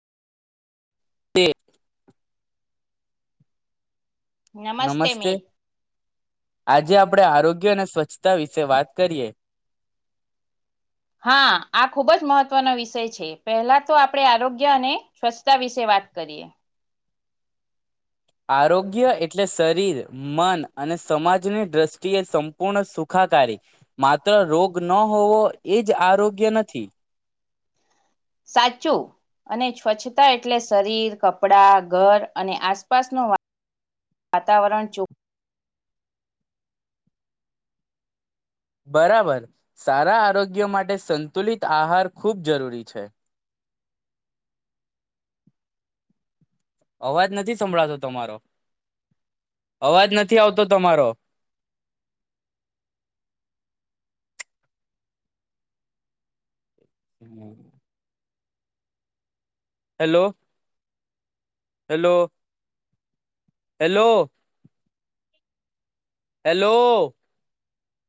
તે [inaudible] નમસ્તે, આજે આપણેે આરોગ્ય અને સ્વચ્છતા વિશે વાત કરીએ. હા, આ ખુબ જ મહત્વનો વિષય છે પહેલા તો આપણે આરોગ્ય અને સ્વચ્છતા વિશે વાત કરીએ. આરોગ્ય એટલે શરીર મન અને સમાજની દ્રષ્ટિએ સંપૂર્ણ સુખાકારી માત્ર રોગ ન હોવો એ જ આરોગ્ય નથી. સાચું અને સ્વચ્છતા એટલે શરીર કપડા ઘર અને આસપાસ. શવા. વાતાવરણ ચો. બરાબર, સારા આરોગ્ય માટે સંતુલિત આહાર ખૂબ જરૂરી છે. અવાજ નથી, સંભળાતો તમારો અવાજ નથી આવતો તમારો. હમ [inaudible] હેલો. Hello [inaudible] hello. હેલો [inaudible]